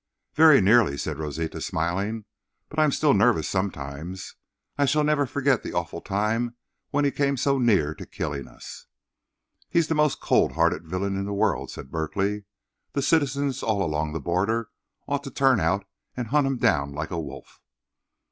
"Very nearly," said Rosita, smiling, "but I am still nervous sometimes. I shall never forget that awful time when he came so near to killing us." "He's the most cold hearted villain in the world," said Berkly. "The citizens all along the border ought to turn out and hunt him down like a wolf."